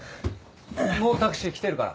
もうタクシー来てるから。